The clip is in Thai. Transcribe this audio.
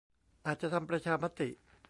อาจจะทำประชามติ